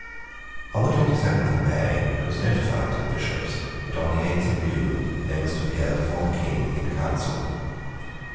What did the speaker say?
On the twenty seventh of May it was notified to the Bishops that on the eighth of June they must appear before the King in Council.